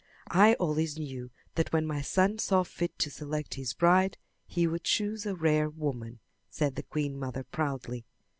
"I always knew that when my son saw fit to select his bride he would choose a rare woman," said the queen mother proudly.